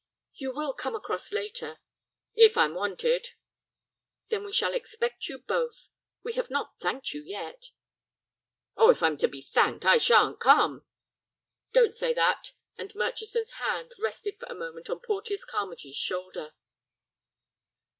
"You will come across later?" "If I'm wanted." "Then we shall expect you both. We have not thanked you yet." "Oh, if I'm to be thanked, I sha'n't come." "Don't say that," and Murchison's hand rested for a moment on Porteus Carmagee's shoulder.